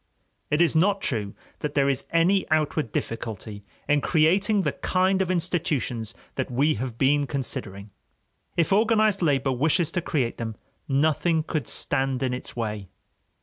It is not true that there is any outward difficulty in creating the kind of institutions that we have been considering. If organized labor wishes to create them, nothing could stand in its way.